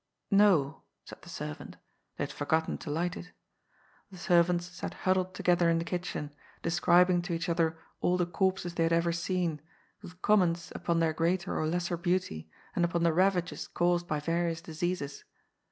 " No," said the servant ; they had forgotten to light it. The servants sat huddled together in the kitchen, de scribing to each other all the corpses they had ever seen, with comments upon their greater or lesser beauty and upon the ravages caused by various diseases.